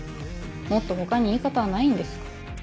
もっと他に言い方はないんですか。